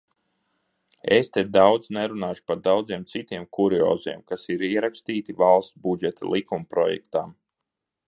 Es te daudz nerunāšu par daudziem citiem kurioziem, kas ir ierakstīti valsts budžeta likumprojektā.